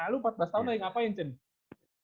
lu empat belas tahun dari apa ya cenz